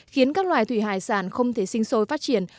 khiến các loài thủy hải sản không thể sinh sôi phát triển